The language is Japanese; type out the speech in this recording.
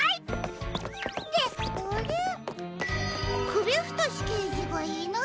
くびふとしけいじがいない？